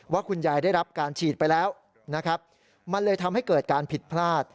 ว่าคุณยายได้รับการฉีดไปแล้วนะครับมันเลยทำให้เกิดการผิดพลาด